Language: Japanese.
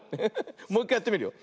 もういっかいやってみるよ。